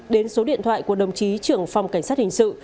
đến số điện thoại của đồng chí trưởng phòng cảnh sát hình sự